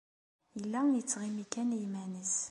Yella yettɣimi kan i yiman-nnes.